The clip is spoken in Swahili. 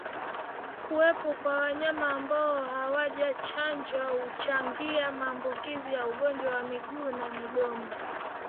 Kuwepo kwa wanyama ambao hawajachanjwa huchangia maambukizi ya ugonjwa wa miguu na midomo